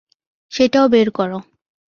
সেটাও বের করো।